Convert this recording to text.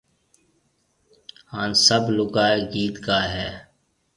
ھاڻ سب لوگائيَ گيت گائيَ ھيََََ